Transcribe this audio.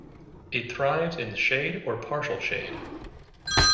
It thrives in shade or partial shade.